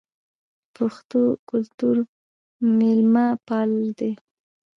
پښتو کلتور میلمه پال دی